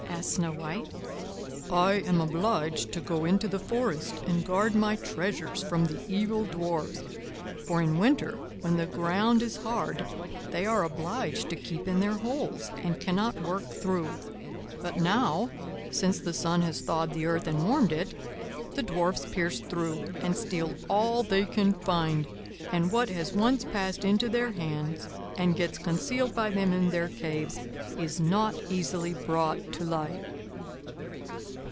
asked Snow White, "I am obliged to go into the forest and guard my treasures from the evil Dwarfs; for in winter, when the ground is hard, they are obliged to keep in their holes, and cannot work through; but now, since the sun has thawed the earth and warmed it, the Dwarf's pierce through, and steal all they can find; and what has once passed into their hands, and gets concealed by them in their caves, is not easily brought to light."